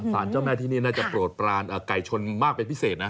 สารเจ้าแม่ที่นี่น่าจะโปรดปรานไก่ชนมากเป็นพิเศษนะ